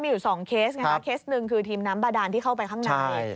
มีอยู่๒เคสไงคะเคสหนึ่งคือทีมน้ำบาดานที่เข้าไปข้างใน